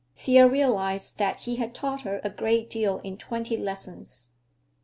Thea realized that he had taught her a great deal in twenty lessons.